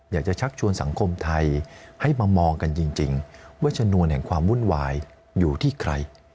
ชักชวนสังคมไทยให้มามองกันจริงว่าชนวนแห่งความวุ่นวายอยู่ที่ใคร